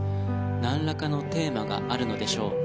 なんらかのテーマがあるのでしょう。